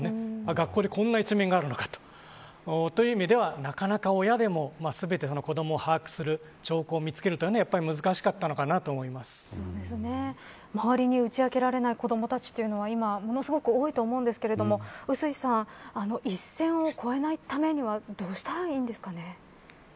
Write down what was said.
学校でこんな一面があるのかと。という意味ではなかなか親でも全て子どもを把握するというのは周りに打ち明けられない子どもたちというのは今、ものすごく多いと思いますけど碓井さん一線を越えないためにはどうしたらいいんでしょうか。